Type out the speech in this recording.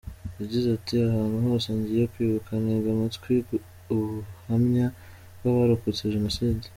Yagize ati" Ahantu hose ngiye kwibuka ntega amatwi ubuhamya bw’abarokotse Jenoside.